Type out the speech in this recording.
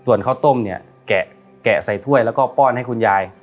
ส่วนข้าวต้มเนี่ยแกะใส่ถ้วยแล้วก็ป้อนให้คุณยาย